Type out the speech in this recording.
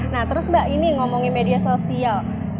nah terus mbak ini ngomongin media sosial